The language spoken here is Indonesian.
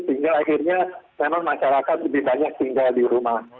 sehingga akhirnya memang masyarakat lebih banyak tinggal di rumah